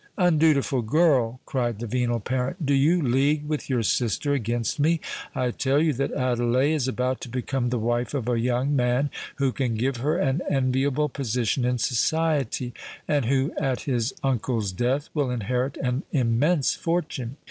"Undutiful girl!" cried the venal parent: "do you league with your sister against me? I tell you that Adelais is about to become the wife of a young man who can give her an enviable position in society, and who at his uncle's death, will inherit an immense fortune.